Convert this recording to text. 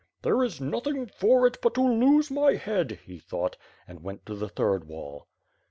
"There is nothing for it, but to lose my head," he thought and went to the third wall.